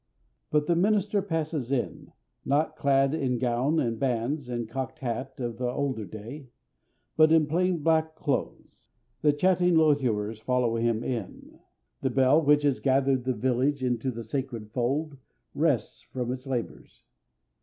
But the minister passes in, not clad in gown and bands and cocked hat of the older day, but in plain black clothes. The chatting loiterers follow him in. The bell which has gathered the village into the sacred fold rests from its labors.